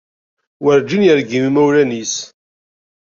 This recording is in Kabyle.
Werǧin yergim imawlan-is.